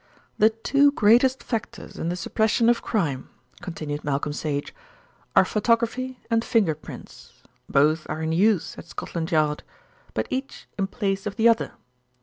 "The two greatest factors in the suppression of crime," continued Malcolm Sage, "are photography and finger prints. Both are in use at Scotland Yard; but each in place of the other.